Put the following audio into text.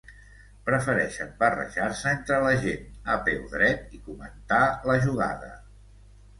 Prefereixen barrejar-se entre la gent, a peu dret, i comentar la jugada.